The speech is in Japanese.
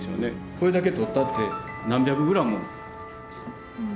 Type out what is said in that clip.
これだけ取ったって何百グラム。